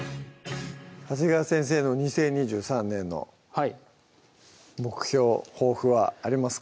長谷川先生の２０２３年のはい目標・抱負はありますか？